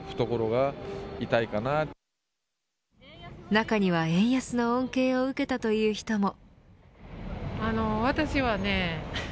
中には円安の恩恵を受けたという人も。